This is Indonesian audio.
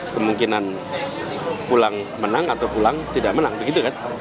kemungkinan pulang menang atau pulang tidak menang begitu kan